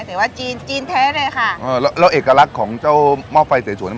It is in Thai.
แต่ว่าจีนจีนแท้เลยค่ะเออแล้วแล้วเอกลักษณ์ของเจ้าหม้อไฟสวย